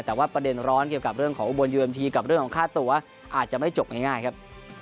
แต่ว่าประเด็นร้อนเกี่ยวกับเรื่องของอุบลยูเอ็มทีกับเรื่องของค่าตัวอาจจะไม่จบง่ายครับ